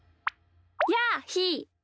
やあひー。